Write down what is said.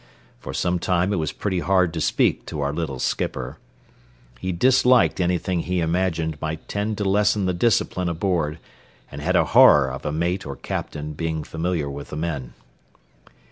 For some time it was pretty hard to speak to our little skipper. He disliked anything he imagined might tend to lessen the discipline aboard and had a horror of a mate or captain being familiar with the men.